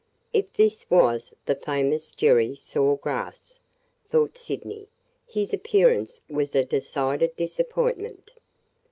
If this was the famous Jerry Saw Grass, thought Sydney, his appearance was a decided disappointment.